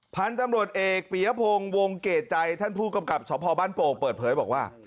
พันธุ์ตำรวจเอกปียพงศ์วงเกรดใจท่านผู้กำกับสพบ้านโป่งเปิดเผยบอกว่า